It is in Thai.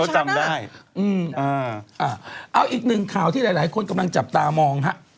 จำได้อืมอ่าเอาอีกหนึ่งข่าวที่หลายหลายคนกำลังจับตามองฮะ